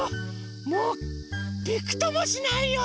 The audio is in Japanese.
もうびくともしないよ！